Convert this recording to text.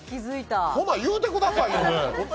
ほな、言うてくださいよ。